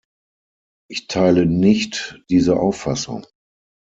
Ich teile nicht diese Auffassung.